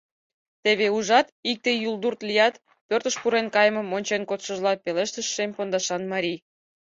— Теве, ужат, икте юлдурт лият, — пӧртыш пурен кайымым ончен кодшыжла, пелештыш шем пондашан марий.